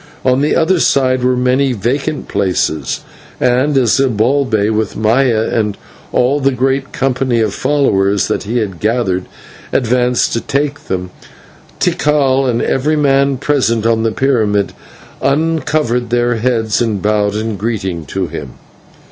On the other side were many vacant places; and as Zibalbay, with Maya and all the great company of followers that he had gathered, advanced to take them, Tikal and every man present on the pyramid uncovered their heads and bowed in greeting to him.